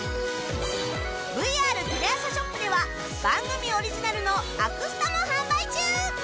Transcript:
ＶＲ テレ朝ショップでは番組オリジナルのアクスタも販売中！